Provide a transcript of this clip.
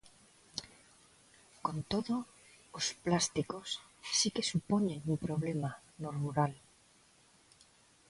Con todo, os plásticos si que supoñen un problema no rural.